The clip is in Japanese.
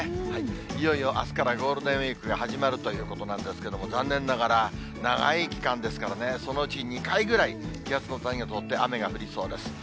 いよいよあすからゴールデンウィークが始まるということなんですけれども、残念ながら、長い期間ですからね、そのうち２回ぐらい、気圧の谷が通って雨が降りそうです。